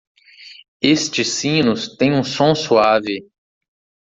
Estes sinos têm um som suave.